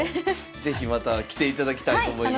是非また来ていただきたいと思います。